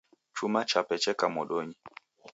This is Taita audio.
Chuma chape cheka modonyi.